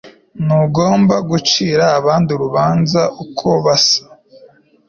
ntugomba gucira abandi urubanza uko basa